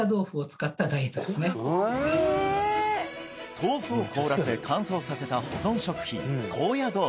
豆腐を凍らせ乾燥させた保存食品